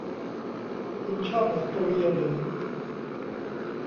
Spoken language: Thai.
คุณชอบบทกวีหรือ